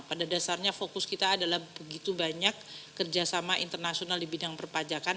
pada dasarnya fokus kita adalah begitu banyak kerjasama internasional di bidang perpajakan